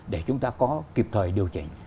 để chúng ta có kịp thời điều chỉnh